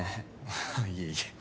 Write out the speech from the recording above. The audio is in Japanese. あっいえいえ。